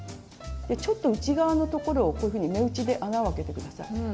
ちょっと内側のところをこういうふうに目打ちで穴をあけて下さい。